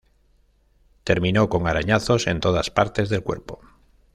Terminó con arañazos en todas partes del cuerpo.